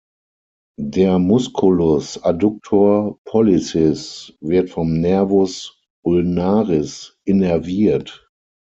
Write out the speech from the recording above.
Der Musculus adductor pollicis wird vom Nervus ulnaris innerviert.